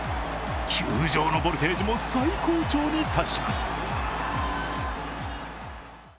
球場のボルテージも最高潮に達します。